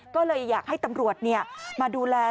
ก็เลยอยากให้ตำรวจมาดูแล